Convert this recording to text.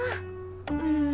うん。